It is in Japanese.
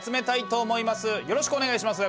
よろしくお願いします！